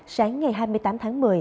sáng ngày hai mươi tám tháng một mươi